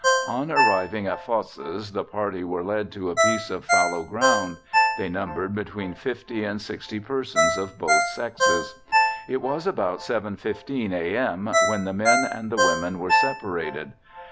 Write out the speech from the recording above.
On arriving at Fosses the party were led to a piece of fallow ground they numbered between 50 and 60 persons of both sexes. "It was about 7.15 a. m. when the men and the women were separated.